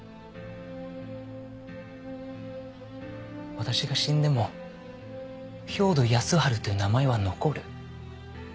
私が死んでも兵働耕春という名前は残る。